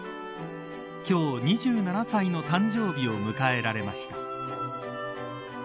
今日、２７歳の誕生日を迎えられました。